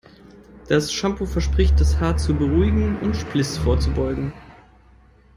Das Shampoo verspricht das Haar zu beruhigen und Spliss vorzubeugen.